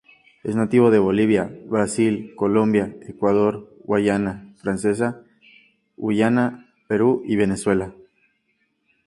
Es nativo de Bolivia, Brasil, Colombia, Ecuador, Guayana francesa, Guyana, Perú y Venezuela.